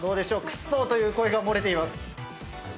「クソッ」という声が漏れています。